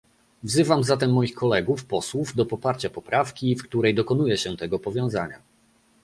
Wzywam zatem moich kolegów posłów do poparcia poprawki, w której dokonuje się tego powiązania